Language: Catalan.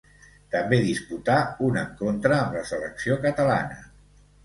També disputà un encontre amb la selecció catalana.